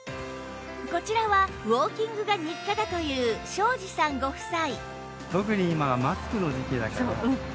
こちらはウォーキングが日課だという庄子さんご夫妻